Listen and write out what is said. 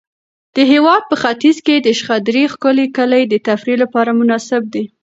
د هېواد په ختیځ کې د شخدرې ښکلي کلي د تفریح لپاره مناسب دي.